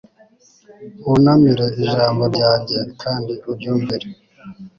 Wunamire ijambo ryanjye kandi uryumvire